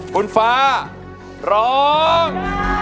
คุณฟ้าร้อง